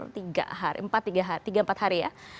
tiga hari empat hari ya